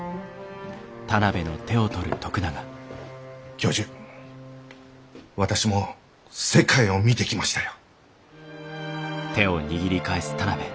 教授私も世界を見てきましたよ。